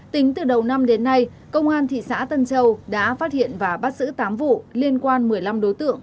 tính từ đầu năm đến nay công an thị xã tân châu đã phát hiện và bắt giữ tám vụ liên quan một mươi năm đối tượng